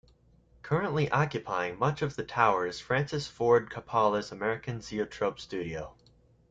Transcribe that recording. Currently occupying much of the tower is Francis Ford Coppola's American Zoetrope studio.